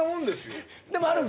でもあるんすね？